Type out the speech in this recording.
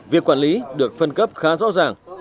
việc quản lý được phân cấp khá rõ ràng